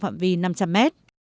phạm vi năm trăm linh m